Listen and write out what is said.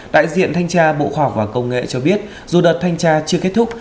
đại diện thanh tra bộ khoa học và công nghệ cho biết dù đợt thanh tra chưa kết thúc